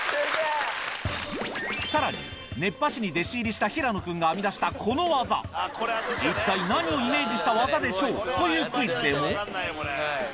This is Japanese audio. さらに熱波師に弟子入りした平野君が編み出したこの技一体何をイメージした技でしょう？というクイズでも